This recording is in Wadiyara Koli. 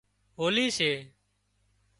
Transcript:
هولِي سي